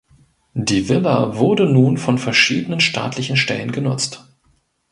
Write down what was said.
Die Villa wurde nun von verschiedenen staatlichen Stellen genutzt.